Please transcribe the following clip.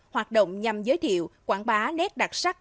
hoạt động nhằm giới thiệu quảng bá nét đặc sắc